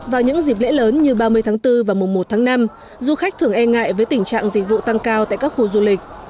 vào những dịp lễ lớn như ba mươi tháng bốn và mùa một tháng năm du khách thường e ngại với tình trạng dịch vụ tăng cao tại các khu du lịch